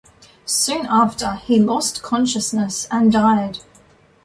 Soon after, he lost consciousness and died.